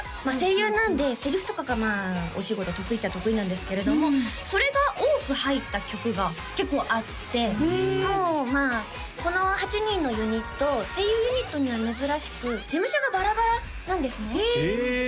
まあ声優なんでセリフとかがお仕事得意っちゃ得意なんですけれどもそれが多く入った曲が結構あってもうまあこの８人のユニット声優ユニットには珍しく事務所がバラバラなんですねへえ！